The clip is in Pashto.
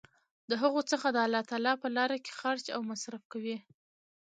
د هغو څخه د الله تعالی په لاره کي خرچ او مصر ف کوي